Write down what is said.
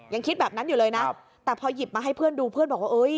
ยังคิดแบบนั้นอยู่เลยนะแต่พอหยิบมาให้เพื่อนดูเพื่อนบอกว่าเอ้ย